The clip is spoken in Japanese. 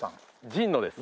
神野です。